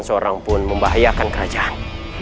seorang pun membahayakan kerajaan